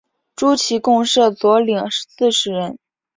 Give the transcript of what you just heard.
诸旗共设佐领四十人。